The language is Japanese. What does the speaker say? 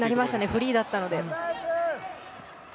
フリーだったので。